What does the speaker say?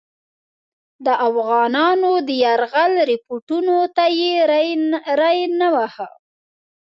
د افغانانو د یرغل رپوټونو ته یې ری نه واهه.